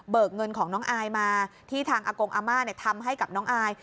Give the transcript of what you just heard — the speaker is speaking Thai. เงินของน้องอายมาที่ทางอากงอาม่าทำให้กับน้องอาย